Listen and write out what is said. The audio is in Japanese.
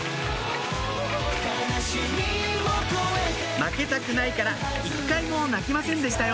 負けたくないから一回も泣きませんでしたよ